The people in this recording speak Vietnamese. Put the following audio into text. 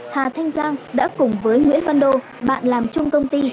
hà thanh giang đã cùng với nguyễn văn đô bạn làm chung công ty